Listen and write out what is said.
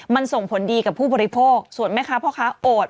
มันส่งผลดีกับผู้บริโภคส่วนแม่ค้าพ่อค้าโอด